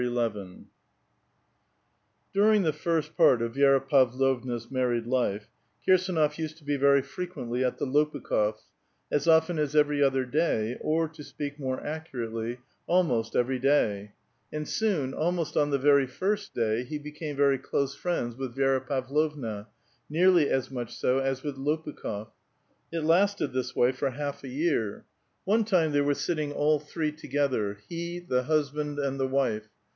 XL During the first part of Vi^ra Pavlovna's married life, Kir sdnof used to be very frequently at the Lopukh6f8', as often as every other day, or, to speak more accurately, almost every day ; and soon, almost on the very first day, he became very close friends with Vi^ra Pavlovna, nearly as much so as with Lopukh6f. It lasted this way for half a year. One A VITAL QUESTION. 208 time they were sitting all three together : he, the husband, and the wife.